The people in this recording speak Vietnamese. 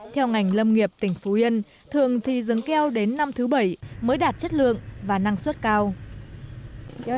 theo ngành lâm nghiệp tỉnh phú yên thường thì rừng keo đến năm thứ bảy mới đạt chất lượng và năng suất cao